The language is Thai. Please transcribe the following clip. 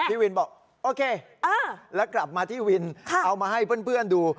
พี่วินบอกโอเคแล้วกลับมาที่วินเอามาให้เพื่อนดู